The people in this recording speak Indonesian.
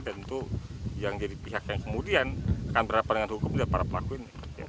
dan itu yang jadi pihak yang kemudian akan berapa dengan hukum adalah para pelakuin